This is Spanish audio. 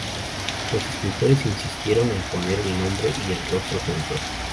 Los lectores insistieron en poner el nombre y el rostro juntos.